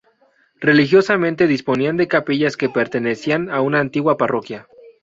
Religiosamente disponían de capillas que pertenecían a una parroquia.